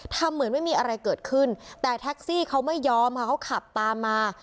ทำเหมือนไม่มีอะไรเกิดขึ้นแต่แท็กซี่เขาไม่ยอมค่ะเขาขับตามมา